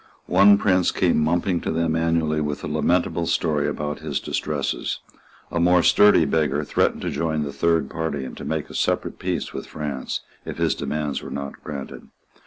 One prince came mumping to them annually with a lamentable story about his distresses. A more sturdy beggar threatened to join the Third Party, and to make a separate peace with France, if his demands were not granted.